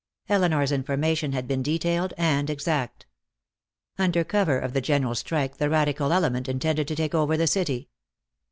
Elinor's information had been detailed and exact. Under cover of the general strike the radical element intended to take over the city.